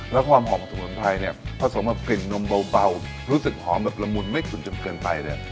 แล้วความหอมของสมุนไพรเนี่ยผสมกับกลิ่นนมเบารู้สึกหอมแบบละมุนไม่ขุนจนเกินไปเลย